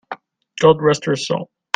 God rest her soul!